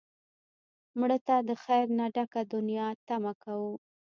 مړه ته د خیر نه ډکه دنیا تمه کوو